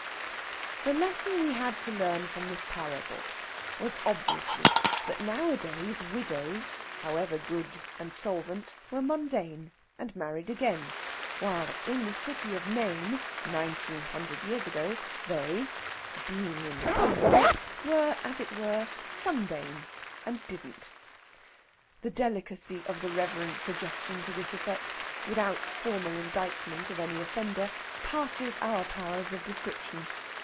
The lesson we had to learn from this parable was obviously that nowadays widows, however good and solvent, were mundane, and married again; while in the City of Nain, nineteen hundred years ago, they (being in Holy Writ) were, as it were, Sundane, and didn't. The delicacy of the reverend suggestion to this effect, without formal indictment of any offender, passes our powers of description.